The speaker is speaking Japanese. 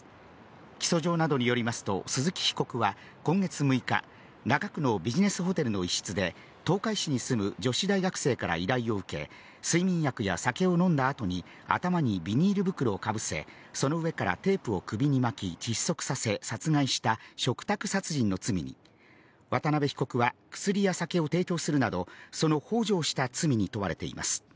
起訴状などによりますと、鈴木被告は、今月６日、中区のビジネスホテルの一室で、東海市に住む女子大学生から依頼を受け、睡眠薬や酒を飲んだあとに、頭にビニール袋をかぶせ、その上からテープを首に巻き、窒息させ、殺害した嘱託殺人の罪に、渡邉被告は、薬や酒を提供するなど、そのほう助をした罪に問われています。